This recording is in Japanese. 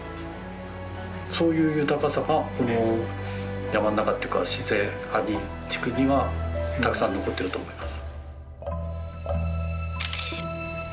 そういう豊かさがこの山の中っていうか自然阿仁地区にはたくさん残ってると思います。